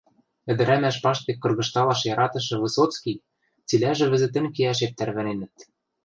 ӹдӹрӓмӓш паштек кыргыжталаш яратышы Высоцкий – цилӓжӹ вӹзӹтӹн кеӓшет тӓрвӓненӹт.